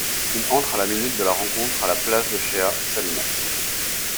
Il entre à la minute de la rencontre à la place de Shea Salinas.